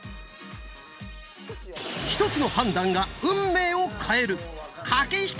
一つの判断が運命を変える駆け引き力が試される！